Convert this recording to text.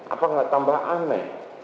apa gak tambah aneh